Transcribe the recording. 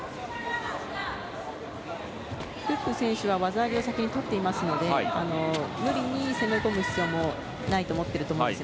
プップ選手は技ありを先にとっていますので無理に攻め込む必要はないと思っていると思います。